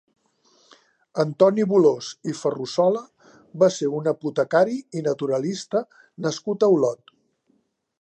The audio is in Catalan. Antoni Bolòs i Ferrussola va ser un apotecari i naturalista nascut a Olot.